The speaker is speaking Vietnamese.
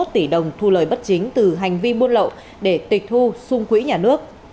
hai trăm hai mươi một tỷ đồng thu lời bất chính từ hành vi buôn lậu để tịch thu xung quỹ nhà nước